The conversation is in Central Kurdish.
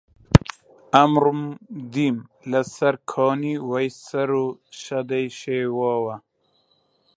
ئەمڕۆ دیم لەسەر کانی وەی سەر و شەدەی شێواوە